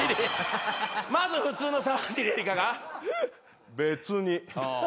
まず普通の沢尻エリカが別に。